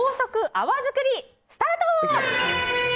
泡づくりスタート！